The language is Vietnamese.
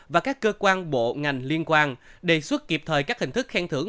và các cơ quan bộ ngành liên quan đề xuất kịp thời các hình thức khen thưởng